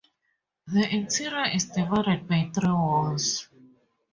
The interior is divided by three walls.